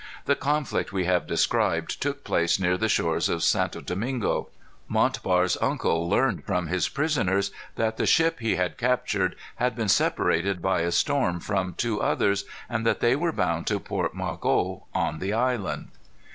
The conflict we have described took place near the shores of St. Domingo. Montbar's uncle learned, from his prisoners, that the ship he had captured had been separated by a storm from two others, and that they were bound to Port Margot on the island.